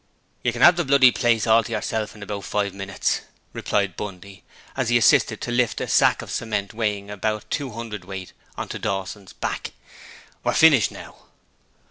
'You can 'ave the bloody place all to yerself in about five minutes,' replied Bundy, as he assisted to lift a sack of cement weighing about two hundredweight on to Dawson's back. 'We're finished now.'